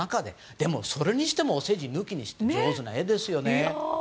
でも、それにしてもお世辞抜きにして上手な絵です。